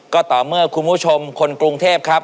ก็ต่อเมื่อคุณผู้ชมคนกรุงเทพครับ